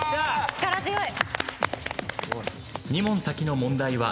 力強い。